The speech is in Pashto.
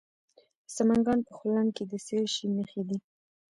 د سمنګان په خلم کې د څه شي نښې دي؟